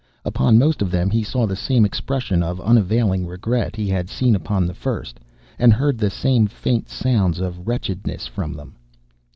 Upon most of them he saw the same expression of unavailing regret he had seen upon the first, and heard the same faint sounds of wretchedness from them.